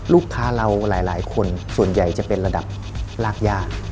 ลูกค้าเราหลายคนส่วนใหญ่จะเป็นระดับรากย่า